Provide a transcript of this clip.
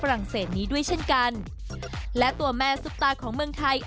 ฝรัศนี้ด้วยเช่นกันและตัวแม่ซุปตาของเมืองไทย